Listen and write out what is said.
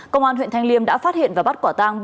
công an huyện thanh liêm đã phát hiện và bắt quả tang